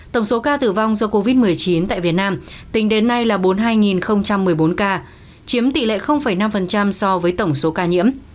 tổng số ca tử vong do covid một mươi chín tại việt nam tính đến nay là bốn mươi hai một mươi bốn ca chiếm tỷ lệ năm so với tổng số ca nhiễm